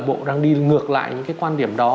bộ đang đi ngược lại những cái quan điểm đó